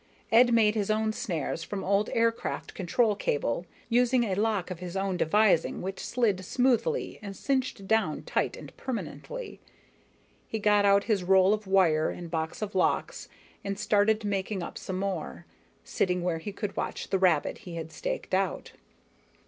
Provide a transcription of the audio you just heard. Ed made his own snares from old aircraft control cable, using a lock of his own devising which slid smoothly and cinched down tight and permanently. He got out his roll of wire and box of locks and started making up some more, sitting where he could watch the rabbit he had staked out.